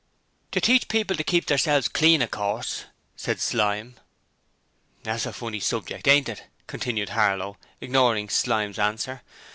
'To teach people to keep theirselves clean, of course,' said Slyme. 'That's a funny subject, ain't it?' continued Harlow, ignoring Slyme's answer.